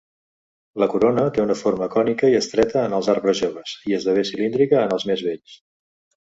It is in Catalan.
La corona té una forma cònica i estreta en els arbres joves i esdevé cilíndrica en els més vells.